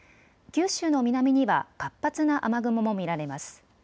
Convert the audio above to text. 九州の南には活発な雨雲も見られます。